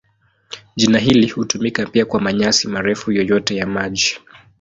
Jina hili hutumika pia kwa manyasi marefu yoyote ya maji.